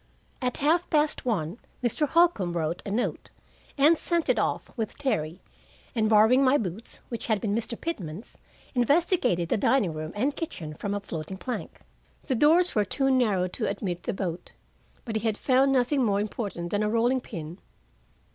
At half past one Mr. Holcombe wrote a note, and sent it off with Terry, and borrowing my boots, which had been Mr. Pitman's, investigated the dining room and kitchen from a floating plank; the doors were too narrow to admit the boat. But he found nothing more important than a rolling pin.